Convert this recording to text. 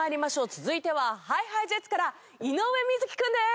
続いてはＨｉＨｉＪｅｔｓから井上瑞稀君です。